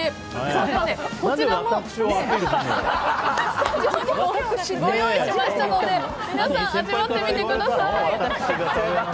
こちらもご用意しましたのでぜひ味わってみてください。